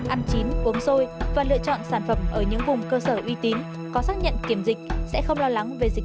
ăn chín uống xôi và lựa chọn sản phẩm ở những vùng cơ sở uy tín có xác nhận kiểm dịch sẽ không lo lắng về dịch